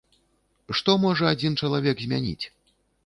Што можа адзін чалавек змяніць?